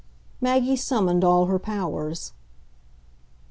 Maggie summoned all her powers.